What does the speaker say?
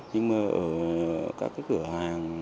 nhưng mà ở các cái cửa hàng